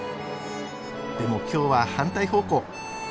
でも今日は反対方向。